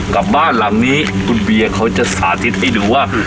กับบ้านหลังนี้คุณเบียเขาจะสาธิตให้ดูว่า